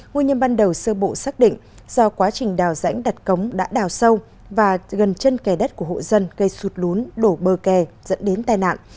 nguyên nhân ban đầu sơ bộ xác định do quá trình đào rãnh đặt cống đã đào sâu và gần chân kè đất của hộ dân gây sụt lún đổ bờ kè dẫn đến tai nạn